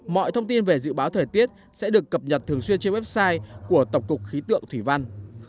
mọi thông tin về dự báo thời tiết sẽ được cập nhật thường xuyên trên website của tổng cục khí tượng thủy văn